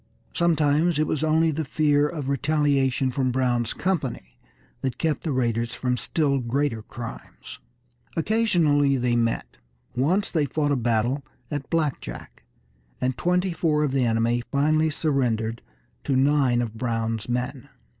Sometimes it was only the fear of retaliation from Brown's company that kept the raiders from still greater crimes. Occasionally they met; once they fought a battle at Black Jack, and twenty four of the enemy finally surrendered to nine of Brown's men.